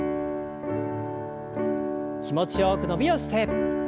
気持ちよく伸びをして。